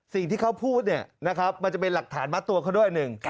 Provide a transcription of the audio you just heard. สิ่งที่เขาพูดเนี้ยมันจะเป็นหลักฐานมัดตัวเขาด้วย